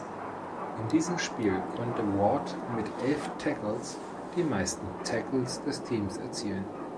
In diesem Spiel konnte Ward mit elf Tackles die meisten Tackles des Teams erzielen.